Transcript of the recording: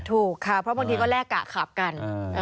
ถูกค่ะเพราะบางทีก็แลกกะขับกัน